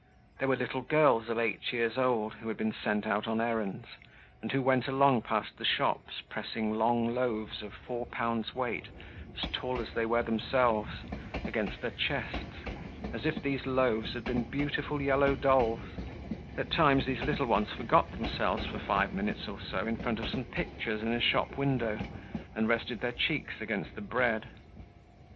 There were little girls of eight years old, who had been sent out on errands, and who went along past the shops, pressing long loaves of four pounds' weight, as tall as they were themselves, against their chests, as if these loaves had been beautiful yellow dolls; at times these little ones forgot themselves for five minutes or so, in front of some pictures in a shop window, and rested their cheeks against the bread.